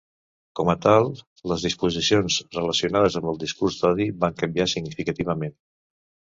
Com a tal, les disposicions relacionades amb el discurs d'odi van canviar significativament.